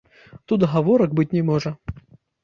Тут гаворак быць не можа.